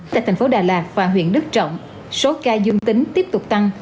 tại thành phố đà lạt và huyện đức trọng số ca dương tính tiếp tục tăng